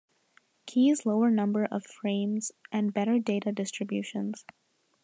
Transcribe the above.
Key is lower number of frames and better data distributions.